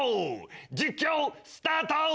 実況スタート！